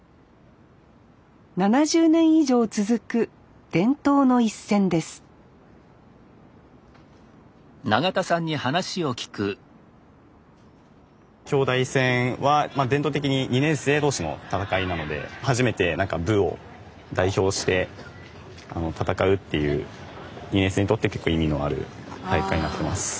７０年以上続く伝統の一戦です京大戦は伝統的に２年生同士の戦いなので初めて部を代表して戦うっていう２年生にとって結構意味のある大会になってます。